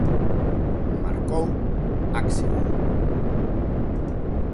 Marcou Axel.